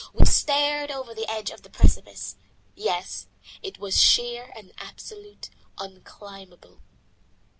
We stared over the edge of the precipice. Yes, it was sheer and absolutely unclimbable.